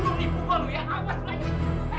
bagian cebol satu juta rupia